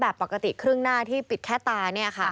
แบบปกติครึ่งหน้าที่ปิดแค่ตา